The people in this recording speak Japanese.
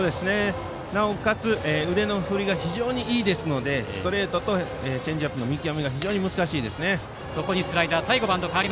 なおかつ腕の振りが非常にいいのでストレートとチェンジアップの見極めが非常に難しいですね。